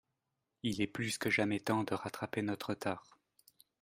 Il est plus que jamais temps de rattraper notre retard.